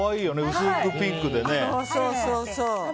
薄くピンクでね。